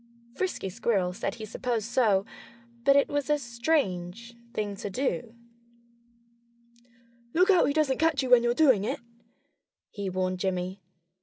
Frisky Squirrel said he supposed so but it was a strange thing to do. "Look out he doesn't catch you when you're doing it!" he warned Jimmy.